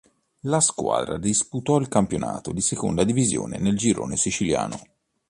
La squadra disputò il campionato di Seconda Divisione nel girone siciliano.